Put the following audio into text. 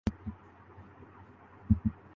وزیر اعظم اپنی ذمہ داریاں بخوبی ادا کر رہے ہیں۔